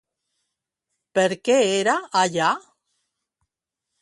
Per què era allà?